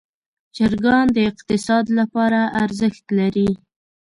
چرګان د اقتصاد لپاره ارزښت لري.